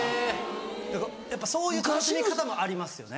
だからやっぱそういう楽しみ方もありますよね。